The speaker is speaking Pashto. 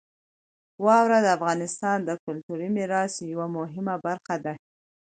واوره د افغانستان د کلتوري میراث یوه مهمه برخه ده.